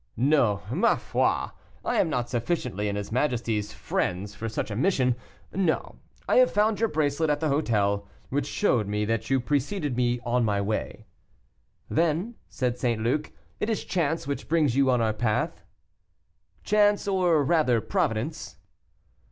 "No, ma foi, I am not sufficiently his majesty's friend for such a mission. No, I found your bracelet at the hotel, which showed me that you preceded me on my way." "Then," said St. Luc, "it is chance which brings you on our path." "Chance, or rather Providence."